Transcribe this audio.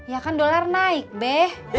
ya kan dolar naik beh